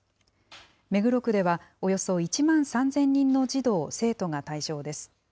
目黒区では、およそ１万３０００人の児童・生徒が対象です。